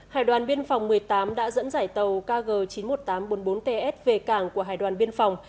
hải đoàn biên phòng một mươi tám đã dẫn dải tàu kg chín mươi một nghìn tám trăm bốn mươi bốn ts về cảng của hải đoàn biên phòng